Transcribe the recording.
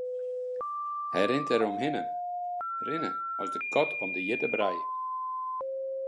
Hy rint deromhinne rinne as de kat om de hjitte brij.